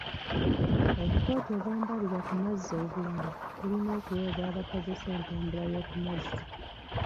Obukooti obwambalibwa ku mazzi obulala bulina okuweebwa abakozesa entambula y'oku amazzi.